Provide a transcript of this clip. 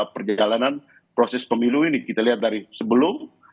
perjalanan proses pemilu ini kita lihat dari sebelum